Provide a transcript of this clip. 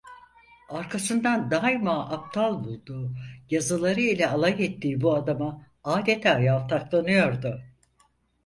Arkasından daima aptal bulduğu, yazıları ile alay ettiği bu adama adeta yaltaklanıyordu.